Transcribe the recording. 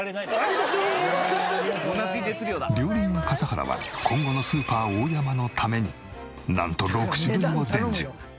料理人笠原は今後のスーパーオオヤマのためになんと６種類を伝授。